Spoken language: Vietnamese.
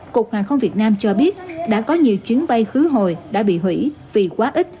cục hàng không việt nam cho biết đã có nhiều chuyến bay khứ hồi đã bị hủy vì quá ít